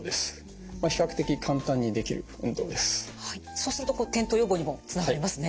そうすると転倒予防にもつながりますね。